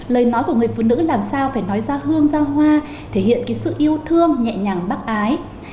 lời nói của người phụ nữ làm sao phải nói ra hương ra hoa thể hiện cái sự yêu thương nhẹ nhàng bác ái